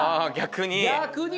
逆に。